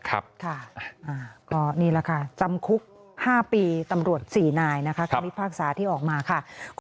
ค่ะก็นี่แหละค่ะจำคุก๕ปีตำรวจ๔นายนะคะคำพิพากษาที่ออกมาค่ะ